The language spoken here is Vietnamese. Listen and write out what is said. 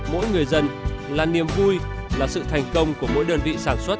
mỗi người dân là niềm vui là sự thành công của mỗi đơn vị sản xuất